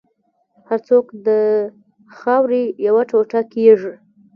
هر څوک د خاورې یو ټوټه کېږي.